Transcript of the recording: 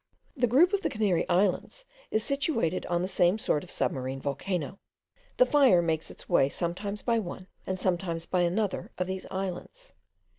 The group of the Canary Islands is situated on the same sort of submarine volcano. The fire makes its way sometimes by one and sometimes by another of these islands.